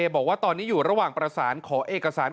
บอกว่าตอนนี้อยู่ระหว่างประสานขอเอกสาร